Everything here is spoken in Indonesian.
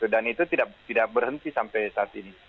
dan itu tidak berhenti sampai saat ini